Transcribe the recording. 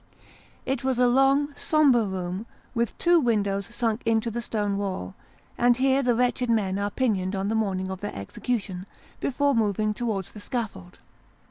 It is a long, sombre room, with two windows sunk into the stone wall, and here the wretched men are pinioned on the morning of their execution, before moving towards the scaffold.